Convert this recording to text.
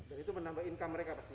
dan itu menambah income mereka